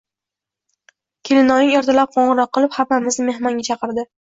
Kelinoying ertalab qo`ng`iroq qilib, hammamizni mehmonga chaqirdi